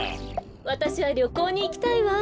わたしはりょこうにいきたいわ。